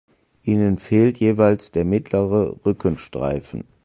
Ihnen fehlt jeweils der mittlere Rückenstreifen.